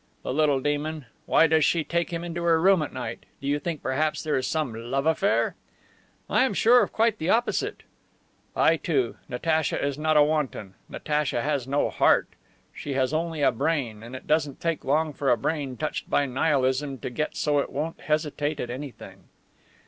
"The little demon! Why does she take him into her room at night? Do you think perhaps there is some love affair...?" "I am sure of quite the opposite." "I too. Natacha is not a wanton. Natacha has no heart. She has only a brain. And it doesn't take long for a brain touched by Nihilism to get so it won't hesitate at anything."